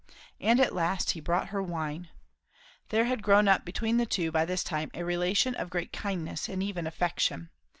And at last he brought her wine. There had grown up between the two, by this time, a relation of great kindness and even affection.